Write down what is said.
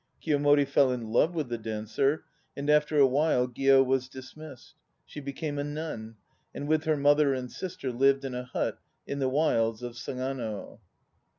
Kiyomori fell in love with the dancer, and after a while Gio was dismissed. She became a nun, and with her mother and sister lived in a hut in the wilds of Sagano.